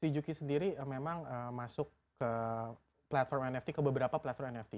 juki sendiri memang masuk ke platform nft ke beberapa platform nft